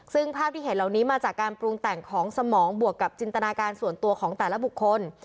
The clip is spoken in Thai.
ซึ่งภาพที่เห็นเหล่านี้มาจากการปรุงแต่งของสมองบวกกับจินตนาการส่วนตัวของแต่ละบุคคล